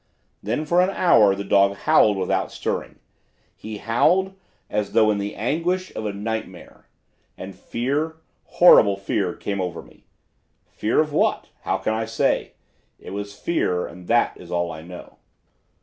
"Then for an hour the dog howled without stirring; he howled as though in the anguish of a nightmare; and fear, horrible fear came over me. Fear of what? How can I say? It was fear, and that is all I know.